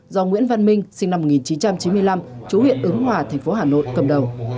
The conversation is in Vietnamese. do nguyễn văn minh sinh năm một nghìn chín trăm chín mươi năm chú huyện ứng hòa thành phố hà nội cầm đầu